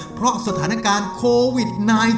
เพราะสถานการณ์โควิด๑๙